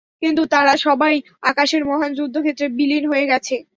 কিন্তু তারা সবাই আকাশের মহান যুদ্ধক্ষেত্রে বিলীন হয়ে গেছে।